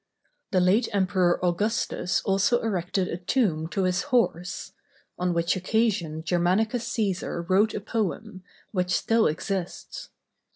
The late Emperor Augustus also erected a tomb to his horse; on which occasion Germanicus Cæsar wrote a poem, which still exists.